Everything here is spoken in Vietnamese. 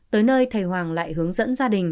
tới nơi thầy hoàng lại hướng dẫn gia đình